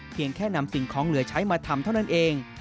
เพียงแค่นำสิ่งของเหลือใช้มาทำเท่านั้นเอง